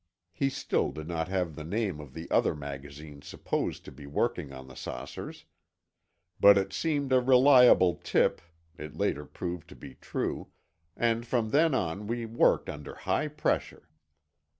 He still did not have the name of the other magazine supposed to be working on the saucers. But it seemed a reliable tip (it later proved to be true), and from then on we worked under high pressure.